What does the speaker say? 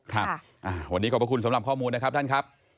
ครับวันนี้ขอบพระคุณสำหรับข้อมูลนะครับท่านครับ